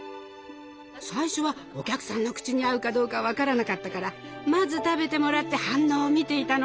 最初はお客さんの口に合うかどうか分からなかったからまず食べてもらって反応を見ていたの。